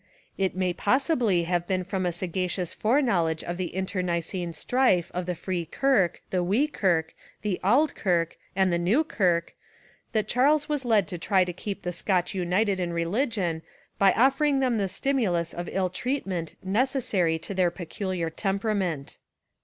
It may possibly have been from a sagacious foreknowledge of the internecine strife of the Free Kirk, the Wee Kirk, the Auld Kirk, and the New Kirk, that Charles was led to try to keep the Scotch united in religion by offering them the stimulus of ill treatment necessary to their peculiar temperament.